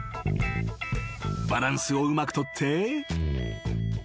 ［バランスをうまく取って］